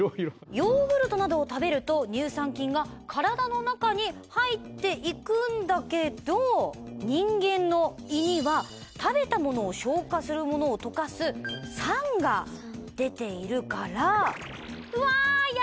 ヨーグルトなどを食べると乳酸菌が体の中に入って行くんだけど人間の胃には食べたものを溶かす酸が出ているから。